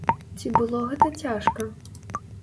Ці было гэта цяжка?